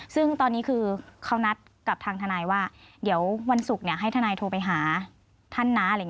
ซึ่งตอนนี้คือเขานัดกับทางทนายว่าเดี๋ยววันศุกร์ให้ทนายโทรไปหาท่านนะ